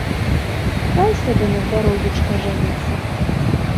Хай сабе, на здароўечка, жэніцца.